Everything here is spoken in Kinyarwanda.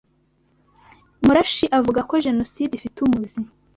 Murashi avuga ko Jenoside ifite umuzi